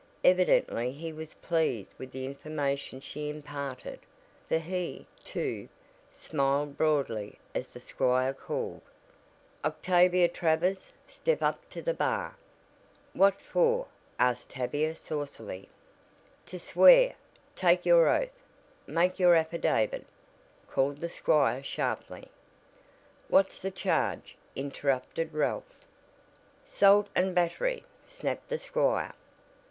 Evidently he was pleased with the information she imparted, for he, too, smiled broadly as the squire called: "Octavia Travers, step up to the bar!" "What for?" asked Tavia saucily. "To swear take your oath make your affidavit," called the squire sharply. "What's the charge?" interrupted Ralph. "'Sault an' batt'ry," snapped the squire.